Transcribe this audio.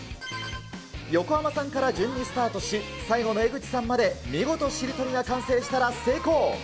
横浜さんから順にスタートし、最後の江口さんまで見事しりとりが完成したら成功。